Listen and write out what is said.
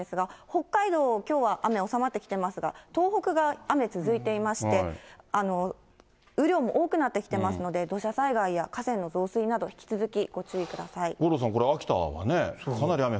北海道、きょうは雨、収まってきていますが、東北が雨、続いていまして、雨量も多くなってきていますので、土砂災害や河川の増水五郎さん、これ、秋田はね、そうですね。